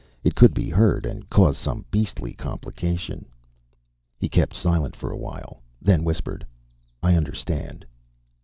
It could be heard and cause some beastly complication." He kept silent for a while, then whispered, "I understand."